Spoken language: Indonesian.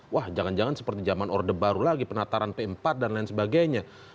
wah jangan jangan seperti zaman orde baru lagi penataran p empat dan lain sebagainya